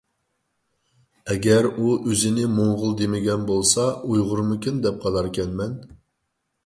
ئەگەر ئۇ ئۆزىنى موڭغۇل دېمىگەن بولسا، ئۇيغۇرمىكىن دەپ قالاركەنمەن.